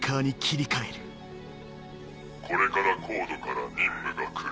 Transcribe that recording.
これからＣＯＤＥから任務が来る。